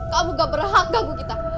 kamu gak berhak gagu kita